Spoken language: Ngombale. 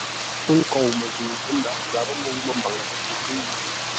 Pə́ pə́ nkôu məzə̂u, ə́ ndǎghʼ zarə́ mbə̂u məmbaŋə ńkʉ̂ʉ?